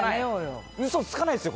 嘘つかないですよ